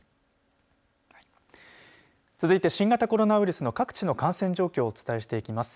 続いて、新型コロナウイルスの各地の感染状況をお伝えしていきます。